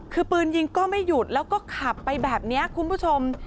คือปืนยิงก็ไม่หยุดแล้วก็ขับไปแบบนี้คุณผู้ชม